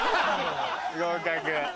合格。